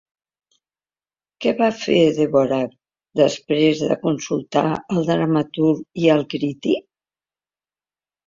Què va fer Dvořák després de consultar al dramaturg i al crític?